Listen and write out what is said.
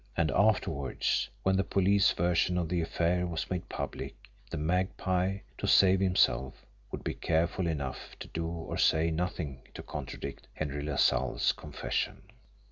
And afterwards, when the police version of the affair was made public, the Magpie, to save himself, would be careful enough to do or say nothing to contradict "Henry LaSalle's" confession!